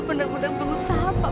bener bener berusaha pak